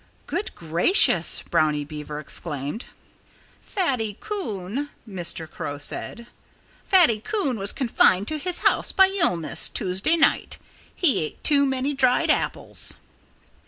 "Goodness gracious!" Brownie Beaver exclaimed. "Fatty Coon " Mr. Crow said "Fatty Coon was confined to his house by illness Tuesday night. He ate too many dried apples."